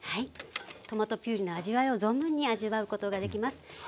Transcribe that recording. トマトピュレの味わいを存分に味わうことができます。